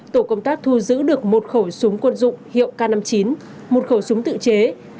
tổ công tác thu giữ được một khẩu súng quân dụng hiệu k năm mươi chín một khẩu súng tự chế